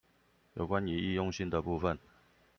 有關於易用性的部分